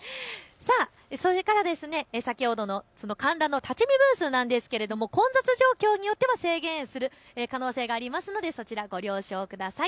それから先ほどの観覧の立ち見ブースですが混雑状況によっては制限する可能性があるのでそちら、ご了承ください。